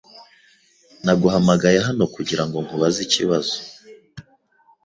Naguhamagaye hano kugirango nkubaze ikibazo.